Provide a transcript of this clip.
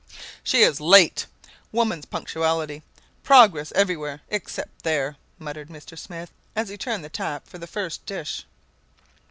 "She is late! Woman's punctuality! Progress everywhere except there!" muttered Mr. Smith as he turned the tap for the first dish.